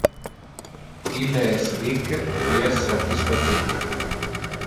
Ille es ric qui es satisfacite.